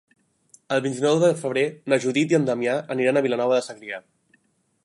El vint-i-nou de febrer na Judit i en Damià aniran a Vilanova de Segrià.